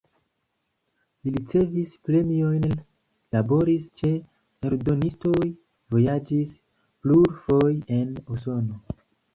Li ricevis premiojn, laboris ĉe eldonistoj, vojaĝis plurfoje en Usono.